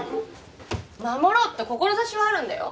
守ろうって志はあるんだよ